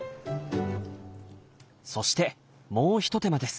そしてもう一手間です。